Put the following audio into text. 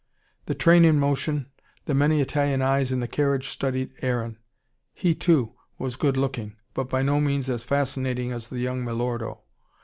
The train in motion, the many Italian eyes in the carriage studied Aaron. He, too, was good looking. But by no means as fascinating as the young milordo.